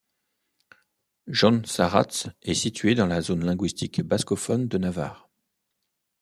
Jauntsarats est situé dans la zone linguistique bascophone de Navarre.